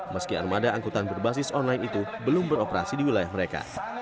meski armada angkutan berbasis online itu belum beroperasi di wilayah mereka